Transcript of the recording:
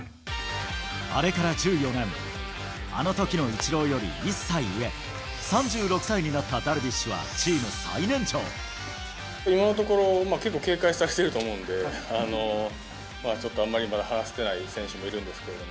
あれから１４年、あのときのイチローより１歳上、３６歳になったダルビッシュは、今のところ、結構警戒されてると思うんで、ちょっとあんまりまだ話せてない選手もいるんですけども。